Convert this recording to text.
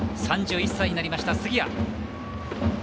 ３１歳になりました杉谷。